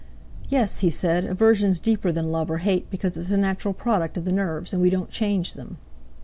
"Yes!" he said, "aversion's deeper than love or hate because it's a natural product of the nerves, and we don't change them."